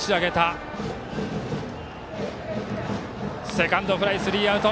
セカンドフライ、スリーアウト。